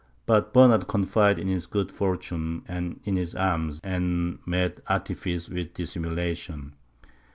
But Bernard confided in his good fortune, and in his arms, and met artifice with dissimulation.